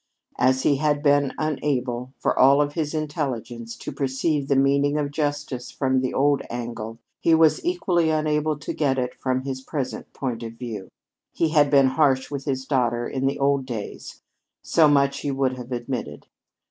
As he had been unable, for all of his intelligence, to perceive the meaning of justice from the old angle, so he was equally unable to get it from his present point of view. He had been harsh with his daughter in the old days; so much he would have admitted.